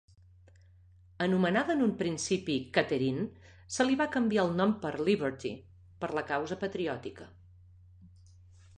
Anomenada en un principi Katherine, se li va canviar el nom per "Liberty" per la causa patriòtica.